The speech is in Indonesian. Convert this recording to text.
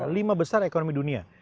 lima besar ekonomi dunia